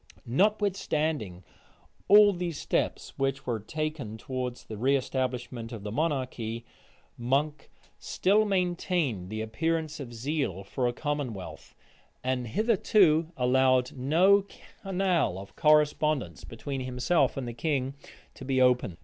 Notwithstanding all these steps which were taking towards the reëstablishment of monarchy, Monk still maintained the appearance of zeal for a commonwealth, and hitherto allowed no canal of correspondence between himself and the king to be opened.